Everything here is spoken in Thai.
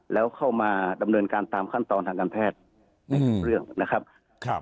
แล้วเข้ามาดำเนินการตามขั้นตอนทางการแพทย์ในทุกเรื่องนะครับ